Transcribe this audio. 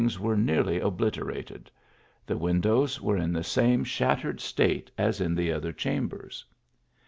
were .nearly obliterated. The win \ dows were in the same shattered state as in the oisuy ^ chambers.